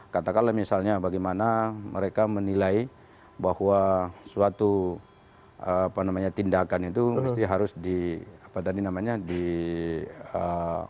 katakanlah misalnya bagaimana mereka menilai bahwa suatu tindakan itu harus ditutup atau dilockdown